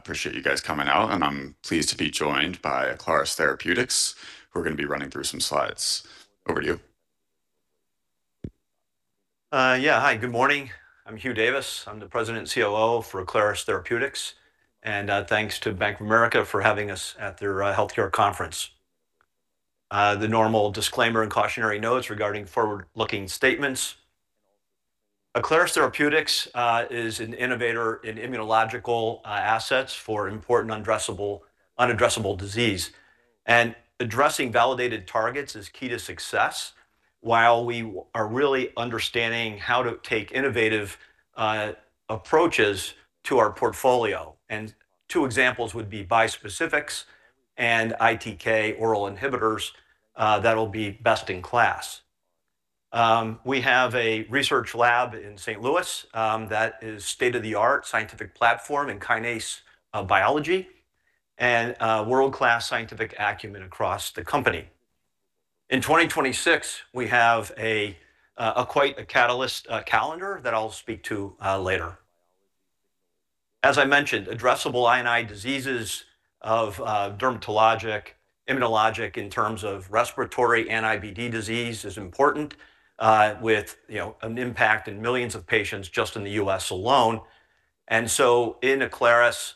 Appreciate you guys coming out, and I'm pleased to be joined by Aclaris Therapeutics, who are gonna be running through some slides. Over to you. Hi, good morning. I'm Hugh Davis. I'm the President and COO for Aclaris Therapeutics, and thanks to Bank of America for having us at their healthcare conference. The normal disclaimer and cautionary notes regarding forward-looking statements. Aclaris Therapeutics is an innovator in immunological assets for important unaddressable disease. Addressing validated targets is key to success while we are really understanding how to take innovative approaches to our portfolio. Two examples would be bispecifics and ITK oral inhibitors that'll be best in class. We have a research lab in St. Louis that is state-of-the-art scientific platform in kinase biology and world-class scientific acumen across the company. In 2026, we have a quite a catalyst calendar that I'll speak to later. As I mentioned, addressable I&I diseases of dermatologic, immunologic in terms of respiratory and IBD disease is important, with, you know, an impact in millions of patients just in the U.S. alone. In Aclaris,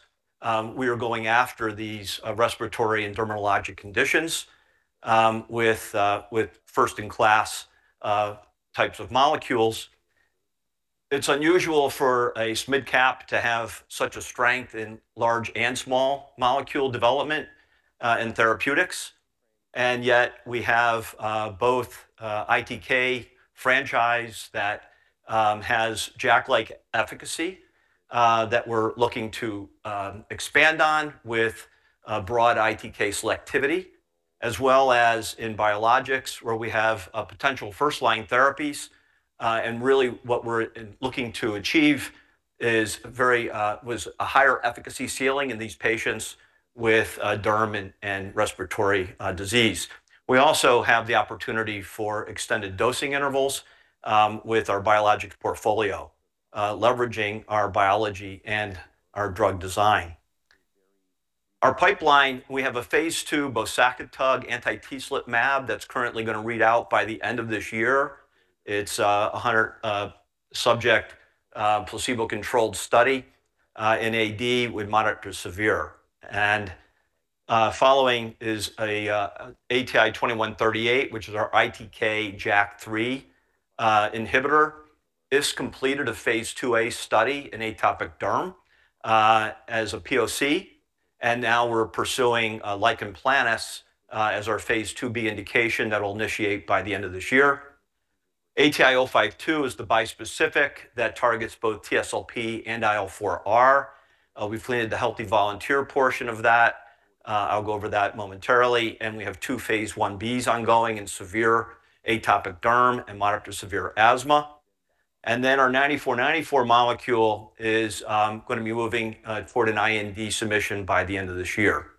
we are going after these respiratory and dermatologic conditions with first in class types of molecules. It's unusual for a smid-cap to have such a strength in large and small molecule development in therapeutics, and yet we have both ITK franchise that has JAK-like efficacy that we're looking to expand on with a broad ITK selectivity, as well as in biologics, where we have potential first-line therapies. Really what we're looking to achieve is very, was a higher efficacy ceiling in these patients with derm and respiratory disease. We also have the opportunity for extended dosing intervals with our biologics portfolio, leveraging our biology and our drug design. Our pipeline, we have a phase II bosakitug anti-TSLP mAb that's currently going to read out by the end of this year. It's a 100 subject placebo-controlled study in AD with moderate to severe. Following is ATI-2138, which is our ITK JAK3 inhibitor. This completed a phase II-A study in atopic derm as a POC, and now we're pursuing lichen planus as our phase II-B indication that will initiate by the end of this year. ATI-052 is the bispecific that targets both TSLP and IL-4R. We've completed the healthy volunteer portion of that, I will go over that momentarily, and we have two phase I-Bs ongoing in severe atopic derm and moderate to severe asthma. Our ATI-9494 molecule is going to be moving toward an IND submission by the end of this year.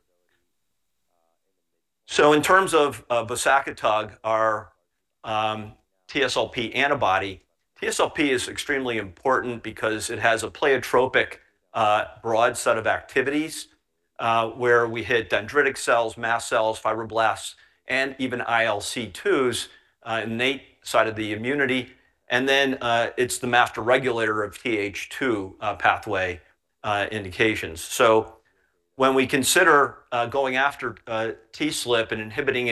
Regarding bosakitug, our TSLP antibody, TSLP is extremely important because it has a pleiotropic, broad set of activities, where we hit dendritic cells, mast cells, fibroblasts, and even ILC2s, innate side of the immunity, and it's the master regulator of Th2 pathway indications. When we consider going after TSLP and inhibiting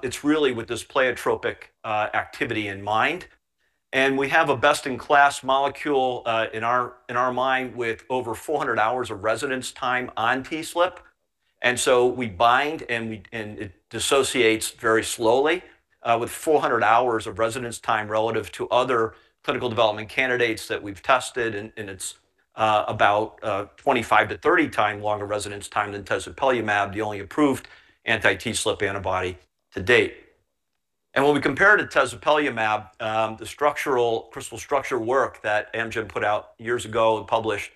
it's really with this pleiotropic activity in mind. We have a best-in-class molecule in our mind with over 400 hours of residence time on TSLP. We bind and it dissociates very slowly, with 400 hours of residence time relative to other clinical development candidates that we've tested, and it's about 25 to 30 time longer residence time than tezepelumab, the only approved anti-TSLP antibody to date. When we compare to tezepelumab, the structural crystal structure work that Amgen put out years ago and published,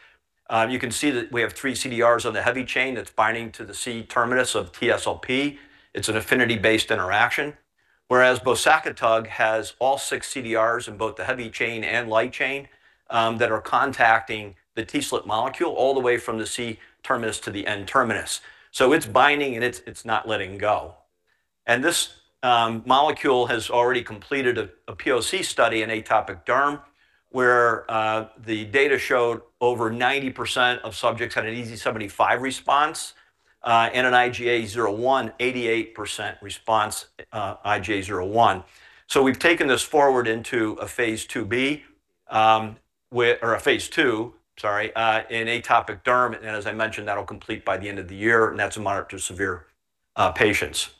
you can see that we have three CDRs on the heavy chain that's binding to the C-terminus of TSLP. It's an affinity-based interaction. Whereas bosakitug has all six CDRs in both the heavy chain and light chain that are contacting the TSLP molecule all the way from the C-terminus to the N-terminus. It's binding and it's not letting go. This molecule has already completed a POC study in atopic dermatitis, where the data showed over 90% of subjects had an EASI 75 response, and an IGA 0/1 88% response, IGA 0/1. We've taken this forward into a phase II-B, or a phase II, sorry, in atopic dermatitis, as I mentioned, that'll complete by the end of the year, and that's in moderate to severe patients.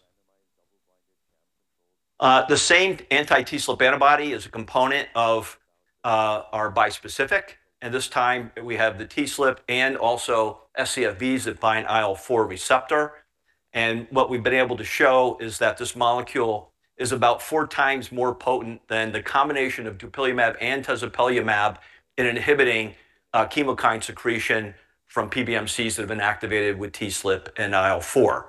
The same anti-TSLP antibody is a component of our bispecific, this time we have the TSLP and also ScFvs that bind IL-4R. What we've been able to show is that this molecule is about 4x more potent than the combination of dupilumab and tezepelumab in inhibiting chemokine secretion from PBMCs that have been activated with TSLP and IL-4.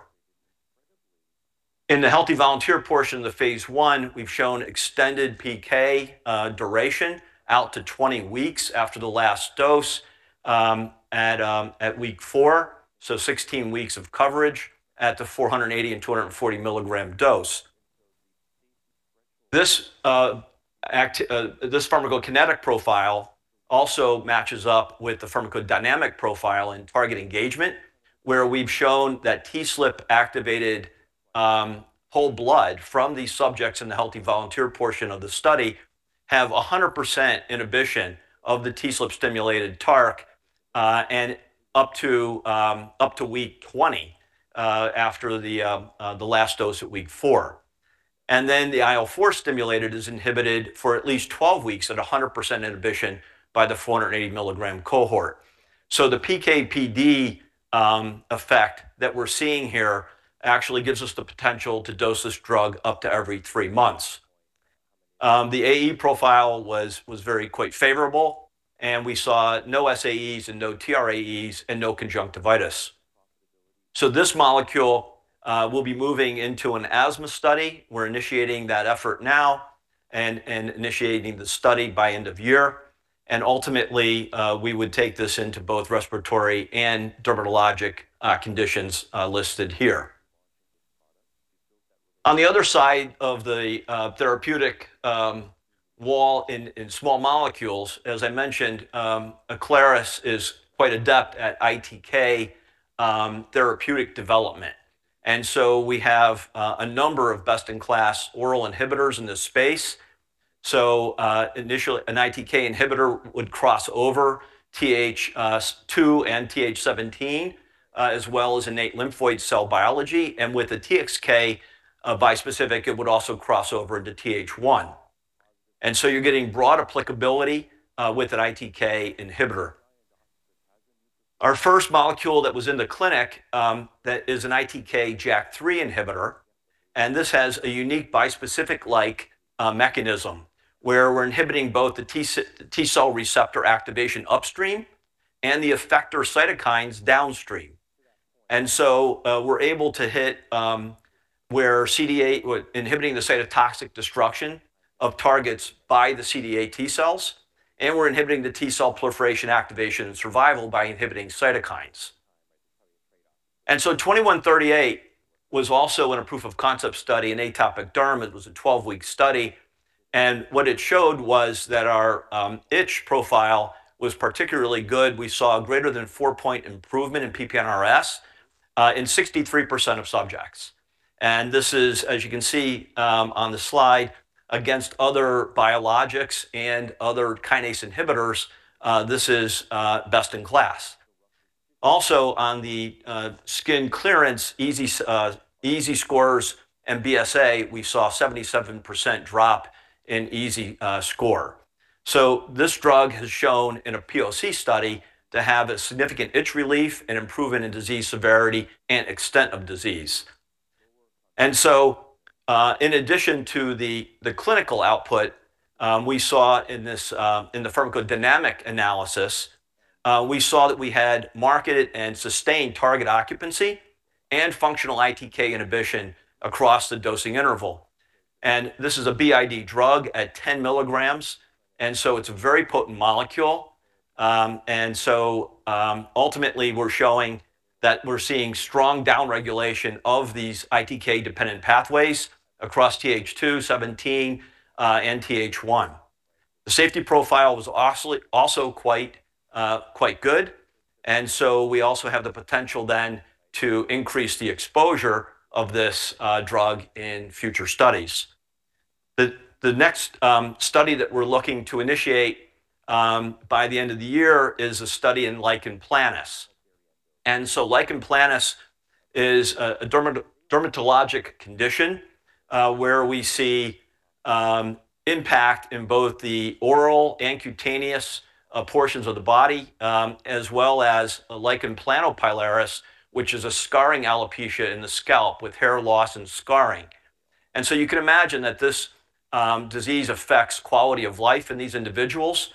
In the healthy volunteer portion of the phase I, we've shown extended PK duration out to 20 weeks after the last dose, at week four, so 16 weeks of coverage at the 480 and 240 milligram dose. This pharmacokinetic profile also matches up with the pharmacodynamic profile in target engagement, where we've shown that TSLP activated whole blood from these subjects in the healthy volunteer portion of the study have 100% inhibition of the TSLP stimulated TARC, and up to week 20 after the last dose at week four. The IL-4 stimulated is inhibited for at least 12 weeks at 100% inhibition by the 480 milligram cohort. The PK/PD effect that we're seeing here actually gives us the potential to dose this drug up to every three months. The AE profile was very quite favorable, and we saw no SAEs and no TRAEs and no conjunctivitis. This molecule will be moving into an asthma study. We're initiating that effort now and initiating the study by end of year. Ultimately, we would take this into both respiratory and dermatologic conditions listed here. On the other side of the therapeutic wall in small molecules, as I mentioned, Aclaris is quite adept at ITK therapeutic development. We have a number of best-in-class oral inhibitors in this space. Initially, an ITK inhibitor would cross over Th2 and Th17, as well as innate lymphoid cell biology, and with a TXK, a bispecific, it would also cross over into Th1. You're getting broad applicability with an ITK inhibitor. Our first molecule that was in the clinic, that is an ITK/JAK3 inhibitor, this has a unique bispecific-like mechanism where we're inhibiting both the T cell receptor activation upstream and the effector cytokines downstream. We're able to hit where CD8 inhibiting the cytotoxic destruction of targets by the CD8 T cells, we're inhibiting the T cell proliferation, activation, and survival by inhibiting cytokines. ATI-2138 was also in a proof of concept study in atopic derm. It was a 12-week study. Our itch profile was particularly good. We saw a greater than four-point improvement in PP-NRS in 63% of subjects. This is, as you can see, on the slide, against other biologics and other kinase inhibitors, this is best in class. On the skin clearance, EASI scores and BSA, we saw 77% drop in EASI score. This drug has shown in a POC study to have a significant itch relief, an improvement in disease severity, and extent of disease. In addition to the clinical output, we saw in this in the pharmacodynamic analysis, we saw that we had marketed and sustained target occupancy and functional ITK inhibition across the dosing interval. This is a BID drug at 10 milligrams, and so it's a very potent molecule. Ultimately, we're showing that we're seeing strong downregulation of these ITK-dependent pathways across Th2, Th17, and Th1. The safety profile was also quite good, we also have the potential then to increase the exposure of this drug in future studies. The next study that we're looking to initiate by the end of the year is a study in lichen planus. Lichen planus is a dermatologic condition, where we see impact in both the oral and cutaneous portions of the body, as well as a lichen planopilaris, which is a scarring alopecia in the scalp with hair loss and scarring. You can imagine that this disease affects quality of life in these individuals.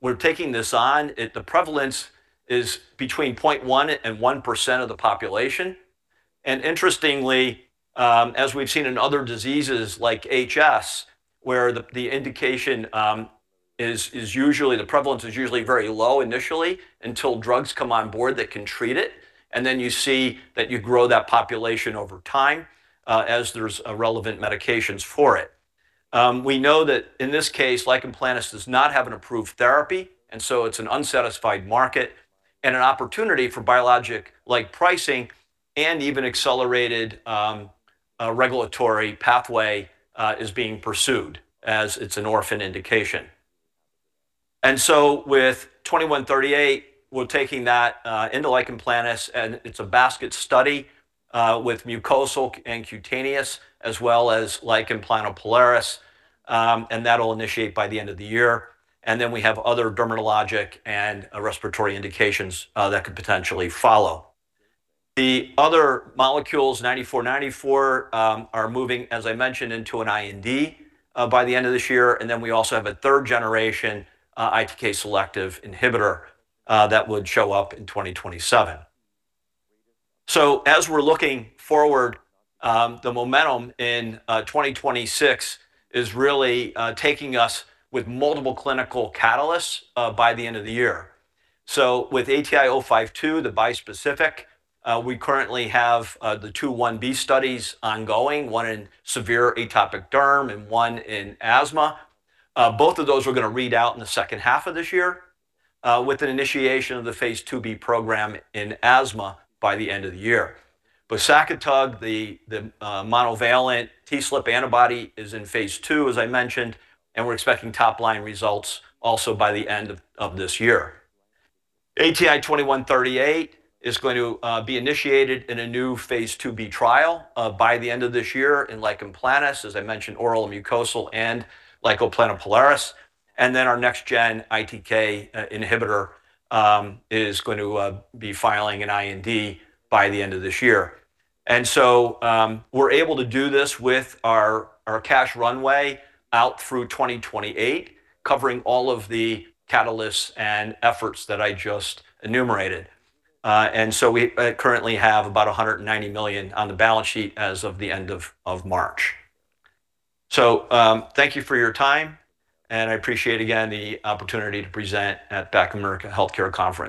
We're taking this on. The prevalence is between 0.1 and 1% of the population. Interestingly, as we've seen in other diseases like HS, where the indication, is usually the prevalence is usually very low initially until drugs come on board that can treat it, and then you see that you grow that population over time, as there's relevant medications for it. We know that in this case, lichen planus does not have an approved therapy, so it's an unsatisfied market, and an opportunity for biologic-like pricing and even accelerated regulatory pathway, is being pursued as it's an orphan indication. With ATI-2138, we're taking that into lichen planus, and it's a basket study, with mucosal and cutaneous as well as lichen planopilaris, and that'll initiate by the end of the year. We have other dermatologic and respiratory indications that could potentially follow. The other molecules, ATI-9494, are moving, as I mentioned, into an IND by the end of this year. We also have a third generation ITK selective inhibitor that would show up in 2027. As we're looking forward, the momentum in 2026 is really taking us with multiple clinical catalysts by the end of the year. With ATI-052, the bispecific, we currently have the 2 I-B studies ongoing, one in severe atopic dermatitis and one in asthma. Both of those we're gonna read out in the second half of this year with an initiation of the phase II-B program in asthma by the end of the year. Bosakitug, the monovalent TSLP antibody is in phase II, as I mentioned, and we're expecting top-line results also by the end of this year. ATI-2138 is going to be initiated in a new phase II-B trial by the end of this year in lichen planus, as I mentioned, oral mucosal and lichen planopilaris. Our next gen ITK inhibitor is going to be filing an IND by the end of this year. We're able to do this with our cash runway out through 2028, covering all of the catalysts and efforts that I just enumerated. We currently have about $190 million on the balance sheet as of the end of March. Thank you for your time, and I appreciate again the opportunity to present at Bank of America Healthcare Conference.